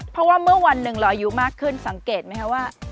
เพราะว่าเมื่อวันหนึ่งเราอายุมากขึ้นสังเกตไหมคะว่า